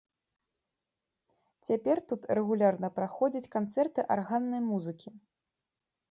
Цяпер тут рэгулярна праходзяць канцэрты арганнай музыкі.